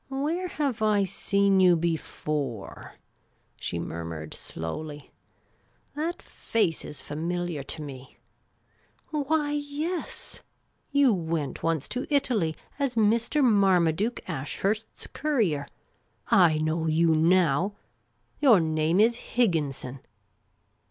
" Where have I seen j'ou before?" she murmured slowly. "That face is familiar to me. Why, yes ; you went once to Italy as Mr. Marmaduke Ashurst's courier ! I know you now. Your name is Higginson."